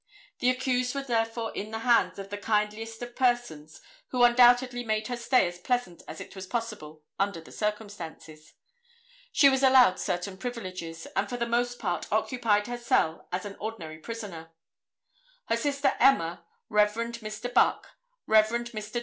The accused was therefore in the hands of the kindliest of persons who undoubtedly made her stay as pleasant as it was possible under the circumstances. She was allowed certain privileges, and for the most part occupied her cell as an ordinary prisoner. Her sister Emma, Rev. Mr. Buck, Rev. Mr.